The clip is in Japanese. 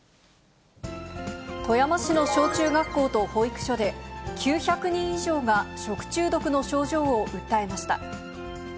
富山市の小中学校と保育所で、９００人以上が食中毒の症状を訴えました。